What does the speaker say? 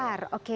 lebih besar oke